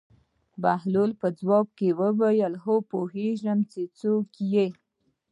بهلول په ځواب کې وویل: هو پوهېږم چې څوک یې.